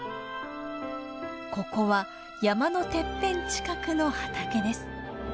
ここは山のてっぺん近くの畑です。